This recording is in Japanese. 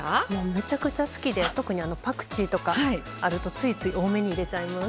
むちゃくちゃ好きで特にパクチーとかあるとついつい多めに入れちゃいます。